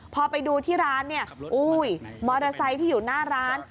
พอไปดูที่ร้านเนี่ยอุ้ยมอเตอร์ไซค์ที่อยู่หน้าร้าน